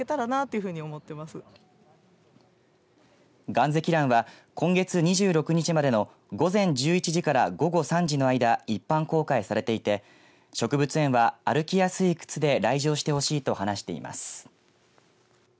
ガンゼキランは今月２６日までの午前１１時から午後３時の間、一般公開されていて植物園は歩きやすい靴で来場してほしいと話しています。